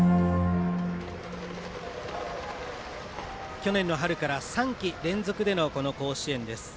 去年の春から３季連続でのこの甲子園です。